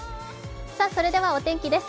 それではお天気です。